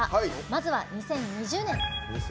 まずは、２０２０年。